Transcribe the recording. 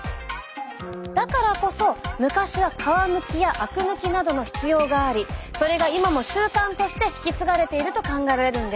だからこそ昔は皮むきやあく抜きなどの必要がありそれが今も習慣として引き継がれていると考えられるんです。